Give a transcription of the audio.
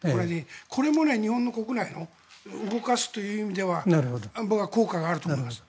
これも日本国内を動かすという意味では僕は効果があると思います。